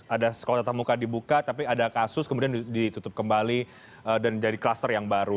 ada sekolah tatap muka dibuka tapi ada kasus kemudian ditutup kembali dan jadi kluster yang baru